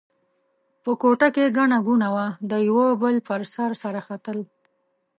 په کوټه کې ګڼه ګوڼه وه؛ د یوه بل پر سر سره ختل.